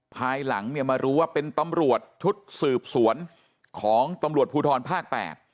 ภายหลังเนี่ยมารู้ว่าเป็นตำรวจชุดสืบสวนของตำรวจภูทรภาค๘